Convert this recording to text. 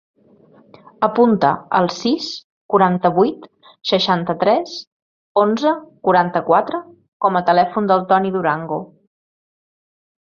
Apunta el sis, quaranta-vuit, seixanta-tres, onze, quaranta-quatre com a telèfon del Toni Durango.